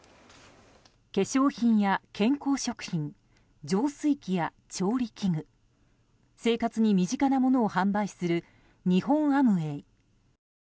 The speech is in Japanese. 化粧品や健康食品浄水器や調理器具生活に身近なものを販売する日本アムウェイ。